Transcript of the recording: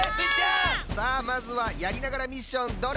さあまずはやりながらミッションどれをえらぶ？